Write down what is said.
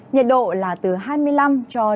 nhiệt độ là từ hai mươi năm ba mươi độ